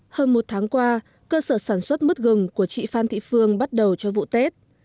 hơn một tháng qua cơ sở sản xuất mứt gừng của chị phan thị phương bắt đầu cho vụ tết